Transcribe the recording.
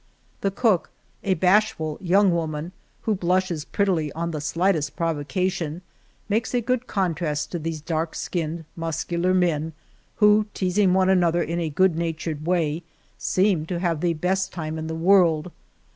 The cook, a bashful young woman, who blushes prettily on the slightest provocation, makes a good contrast to these dark skinned, mus cular men, who, teasing one another in a good natured way, seem to have the best time in the world.